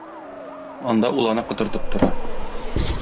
Анда ул аны котыртып тора.